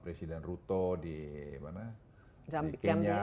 presiden ruto di kenia